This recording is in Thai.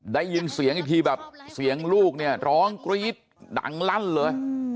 ได้ยินเสียงอีกทีแบบเสียงลูกเนี่ยร้องกรี๊ดดังลั่นเลย